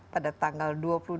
pada tanggal dua puluh dua